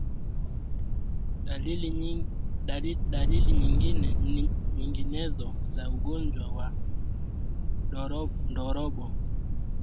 Dalili nyinginezo za ugonjwa wa ndorobo